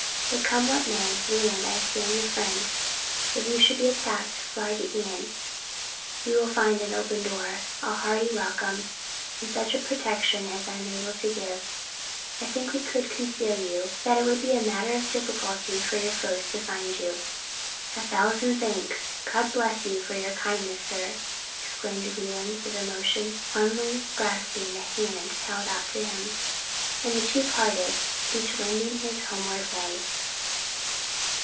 But come what may, Leland, I stand your friend. If you should be attacked, fly to Ion; you will find an open door, a hearty welcome, and such protection as I am able to give. I think we could conceal you so that it would be a matter of difficulty for your foes to find you." "A thousand thanks! God bless you for your kindness, sir!" exclaimed Leland, with emotion, warmly grasping the hand held out to him; and the two parted, each wending his homeward way.